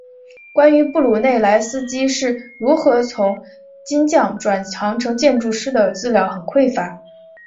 关于布鲁内莱斯基是如何从金匠转行成建筑师的资料很匮乏。